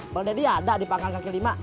kandal ada di pangan kaki lima